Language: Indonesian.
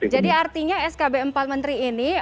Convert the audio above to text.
jadi artinya skb empat menteri ini